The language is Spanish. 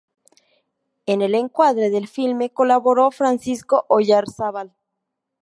En el encuadre del filme colaboró Francisco Oyarzábal.